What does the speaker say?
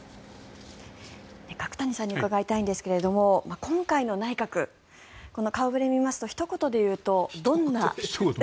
角谷さんに伺いたいんですが今回の内閣この顔触れを見ますとひと言で言うと、どんな。